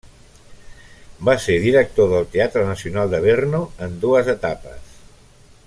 Va ser director del Teatre Nacional de Brno en dues etapes.